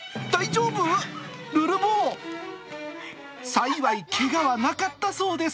幸いけがはなかったそうです。